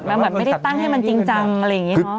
มันเหมือนไม่ได้ตั้งให้มันจริงจังอะไรอย่างนี้เนอะ